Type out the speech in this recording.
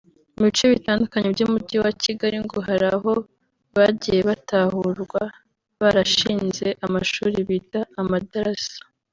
Mu bice bitandukanye by’Umujyi wa Kigali ngo hari aho bagiye batahurwa barashinze amashuri bita ‘amadarasa’